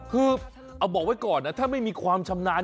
คือเอาบอกไว้ก่อนนะถ้าไม่มีความชำนาญ